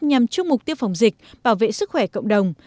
nhằm chung mục tiêu phòng dịch bảo vệ sức khỏe cộng đồng